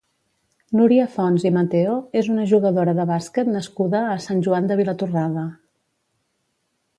Núria Fonts i Mateo és una jugadora de bàsquet nascuda a Sant Joan de Vilatorrada.